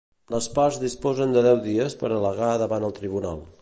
Les parts disposen de deu dies per al·legar davant el tribunal.